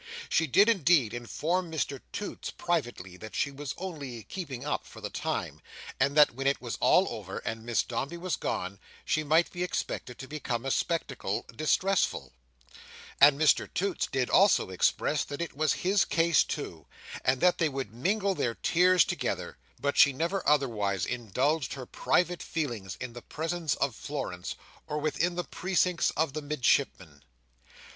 She did, indeed, inform Mr Toots privately, that she was only "keeping up" for the time, and that when it was all over, and Miss Dombey was gone, she might be expected to become a spectacle distressful; and Mr Toots did also express that it was his case too, and that they would mingle their tears together; but she never otherwise indulged her private feelings in the presence of Florence or within the precincts of the Midshipman.